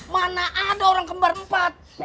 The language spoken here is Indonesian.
mana ada orang kembar empat